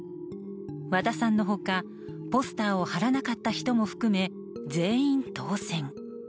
和田さんの他、ポスターを貼らなかった人も含め全員当選。